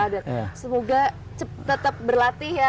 dan semoga tetap berlatih ya